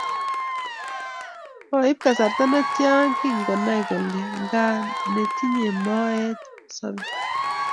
Moib kasarta netia kingonai kole nga netinyei moet kosobei